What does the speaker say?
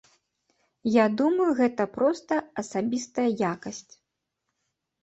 Я думаю, гэта проста асабістая якасць.